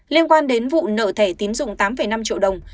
liên quan đến vụ nợ thẻ tín dụng tám năm triệu đồng